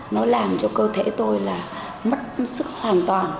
nó làm cho cơ thể tôi là mất sức hoàn toàn